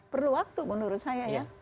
perlu waktu menurut saya ya